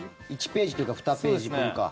１ページというか２ページ分か。